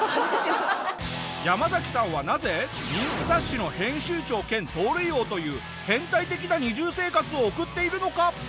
ヤマザキさんはなぜ人気雑誌の編集長兼盗塁王という変態的な二重生活を送っているのか？